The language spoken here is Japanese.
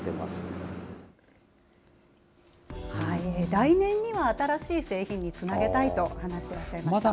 来年には新しい製品につなげたいと話してらっしゃいました。